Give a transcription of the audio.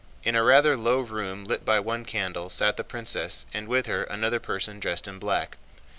In a rather low room lit by one candle sat the princess and with her another person dressed in black.